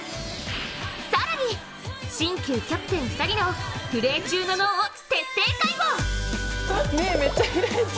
更に、新旧キャプテン２人のプレー中の脳を徹底解剖！